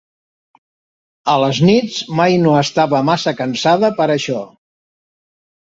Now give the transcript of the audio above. A les nits mai no estava massa cansada per a això.